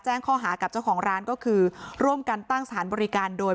ข้อหากับเจ้าของร้านก็คือร่วมกันตั้งสถานบริการโดย